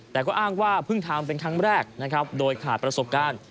แต่ก็อ้างว่าเพิ่งทำเป็นครั้งแรกนะครับโดยขาดประสบการณ์